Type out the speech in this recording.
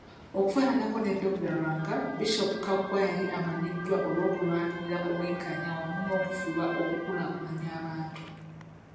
Okufaananako ne Dokira Lwanga, Bisoopu Kaggwa yali amanyiddwa olw'okulwanirira obwenkanya wamu n'okufuba okukulaakulanya abantu.